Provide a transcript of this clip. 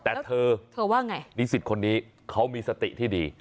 แต่เธอเธอว่าไงนิสิตคนนี้เขามีสติที่ดี